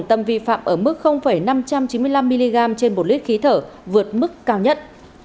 tâm vi phạm ở mức năm trăm chín mươi năm mg trên một lít khí thở vượt mức cao nhất